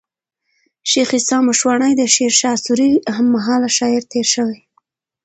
شېخ عیسي مشواڼى د شېرشاه سوري هم مهاله شاعر تېر سوی دئ.